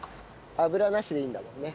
油なしでいいんだもんね。